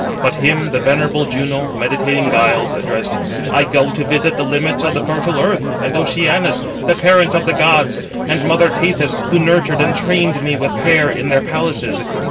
But him the venerable Juno, meditating guiles, addressed; "I go to visit the limits of the fertile earth, and Oceanus, the parent of the gods, and mother Tethys, who nurtured and trained me with care in their palaces.